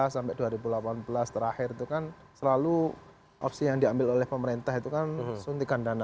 sampai dua ribu delapan belas terakhir itu kan selalu opsi yang diambil oleh pemerintah itu kan suntikan dana